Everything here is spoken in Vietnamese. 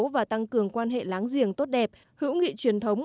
và tăng cường quan hệ láng giềng tốt đẹp hữu nghị truyền thống